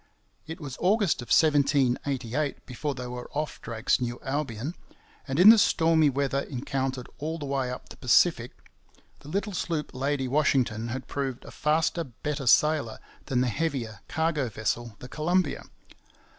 It was August of 1788 before they were off Drake's New Albion; and in the stormy weather encountered all the way up the Pacific, the little sloop Lady Washington had proved a faster, better sailer than the heavier cargo vessel, the Columbia.